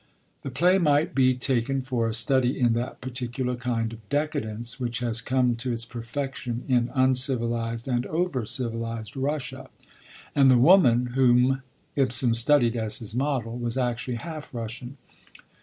The play might be taken for a study in that particular kind of 'decadence' which has come to its perfection in uncivilised and overcivilised Russia; and the woman whom Ibsen studied as his model was actually half Russian.